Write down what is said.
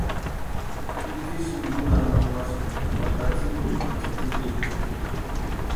Itsï sïntunharhi marhuasïnti pari jatsïntukwani tsïtsïkiechani.